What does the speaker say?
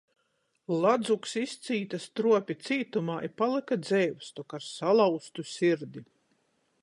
Ladzuks izcīte struopi cītumā i palyka dzeivs, tok ar salauztu sirdi.